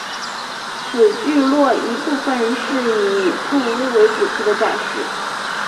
此聚落一部份是以住屋为主题的展示。